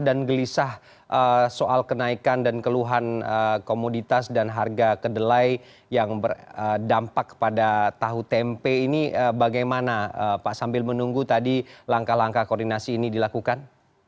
dan gelisah soal kenaikan dan keluhan komoditas dan harga kedelai yang berdampak kepada tahu tempe ini bagaimana pak sambil menunggu tadi langkah langkah koordinasi ini dilakukan